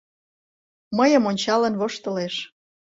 Мыйым ончалын воштылеш.